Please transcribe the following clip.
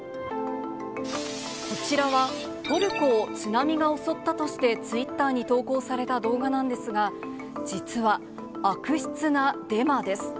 こちらは、トルコを津波が襲ったとしてツイッターに投稿された動画なんですが、実は、悪質なデマです。